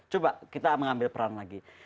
coba kita mengambil peran lagi